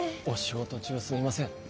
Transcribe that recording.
お仕事中すみません。